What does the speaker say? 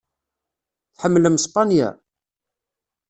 Tḥemmlem Spanya?